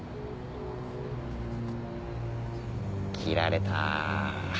切られた。